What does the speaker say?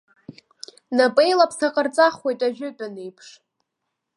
Напеилаԥса ҟарҵахуеит ажәытәан еиԥш.